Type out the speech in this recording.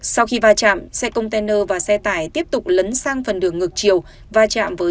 sau khi va chạm xe container và xe tải tiếp tục lấn sang phần đường ngược chiều